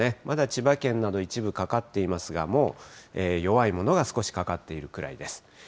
まだ千葉県など、一部かかっていますが、もう、弱いものが少しかかっているくらいです。